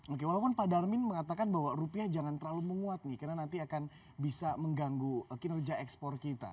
oke walaupun pak darmin mengatakan bahwa rupiah jangan terlalu menguat nih karena nanti akan bisa mengganggu kinerja ekspor kita